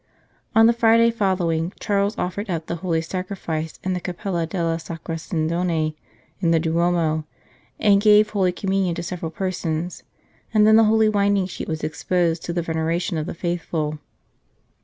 On the Friday following Charles offered up the Holy Sacrifice in the Capella della Sacra Sin done in the Duomo, and gave Holy Communion to several persons, and then the Holy Winding Sheet was exposed to the veneration of the faithful.